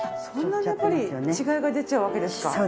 そんなにやっぱり違うが出ちゃうわけですか。